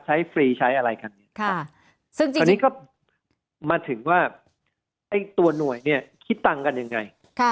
ฟรีใช้อะไรกันเนี่ยตอนนี้ก็มาถึงว่าไอ้ตัวหน่วยเนี่ยคิดตังค์กันยังไง